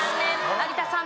有田さん。